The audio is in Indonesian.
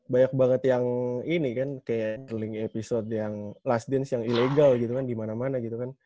banyak banget yang ini kan kayak link episode yang last dance yang ilegal gitu kan gimana mana gitu kan